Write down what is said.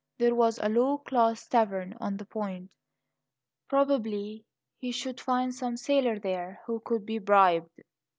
There was a low class tavern on the point; probably he should find some sailor there who could be bribed.